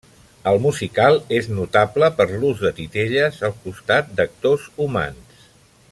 El musical és notable per l'ús de titelles al costat d'actors humans.